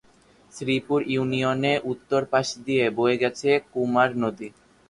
শ্রীপুর ইউনিয়নের উত্তর পাশে দিয়ে বয়ে গেছে কুমার নদী।